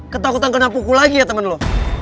ketakutan kena pukul lagi ya temen loh